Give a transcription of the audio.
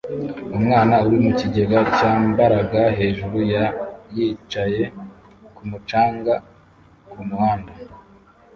Umwana uri mu kigega cyambaraga hejuru ya yicaye kumu canga s kumuhanda